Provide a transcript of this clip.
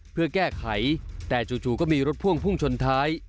เพื่อแก้ไขแต่จู่ก็มีรถพ่วงพุ่งชนท้าย